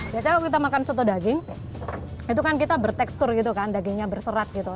biasanya kalau kita makan soto daging itu kan kita bertekstur gitu kan dagingnya berserat gitu